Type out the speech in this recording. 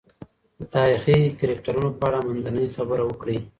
د تاریخي کرکټرونو په اړه منځنۍ خبره وکړئ.